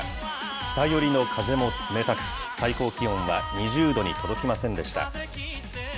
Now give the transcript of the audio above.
北寄りの風も冷たく、最高気温は２０度に届きませんでした。